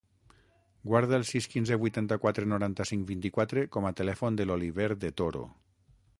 Guarda el sis, quinze, vuitanta-quatre, noranta-cinc, vint-i-quatre com a telèfon de l'Oliver De Toro.